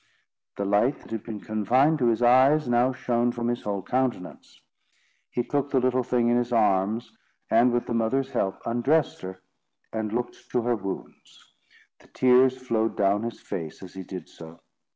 The light that had been confined to his eyes, now shone from his whole countenance. He took the little thing in his arms, and, with the mother's help, undressed her, and looked to her wounds. The tears flowed down his face as he did so.